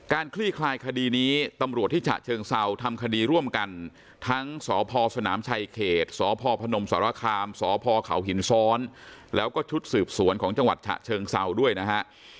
คลี่คลายคดีนี้ตำรวจที่ฉะเชิงเซาทำคดีร่วมกันทั้งสพสนามชัยเขตสพพนมสารคามสพเขาหินซ้อนแล้วก็ชุดสืบสวนของจังหวัดฉะเชิงเศร้าด้วยนะฮะ